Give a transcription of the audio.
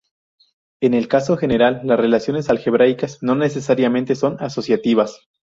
En el caso general, las relaciones algebraicas no necesariamente son asociativas.